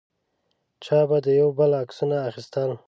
چا به د یو بل عکسونه اخیستل.